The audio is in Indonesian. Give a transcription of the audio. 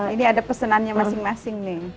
ini ada pesanannya masing masing nih